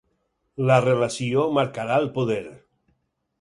La relació marcarà el poder.